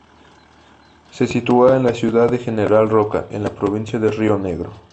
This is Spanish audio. Se sitúa en la ciudad de General Roca, en la Provincia de Río Negro.